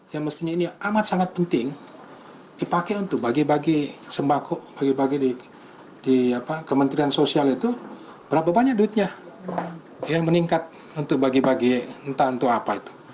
yang mestinya ini amat sangat penting dipakai untuk bagi bagi sembako bagi bagi di kementerian sosial itu berapa banyak duitnya yang meningkat untuk bagi bagi entah untuk apa itu